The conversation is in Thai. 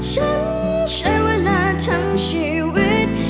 ฉันใช้เวลาทั้งชีวิต